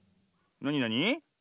なになに？